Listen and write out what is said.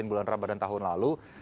bulan ramadan tahun lalu